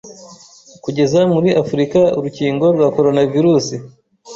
kugeza muri Afurika urukingo rwa Coronavirus